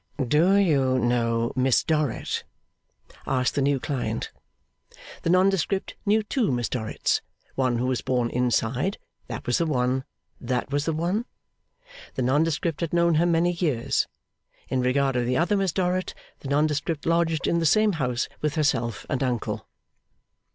'Do you know Miss Dorrit?' asked the new client. The nondescript knew two Miss Dorrits; one who was born inside That was the one! That was the one? The nondescript had known her many years. In regard of the other Miss Dorrit, the nondescript lodged in the same house with herself and uncle.